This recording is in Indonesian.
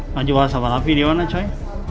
maju bahasa balapi di mana coy